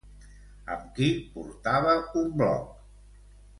Amb qui portava un blog?